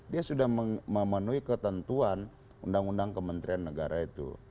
dia sudah memenuhi ketentuan undang undang kementerian negara itu